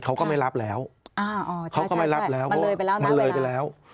เขาก็ไม่รับแล้วเขาก็ไม่รับแล้วมันเลยไปแล้ว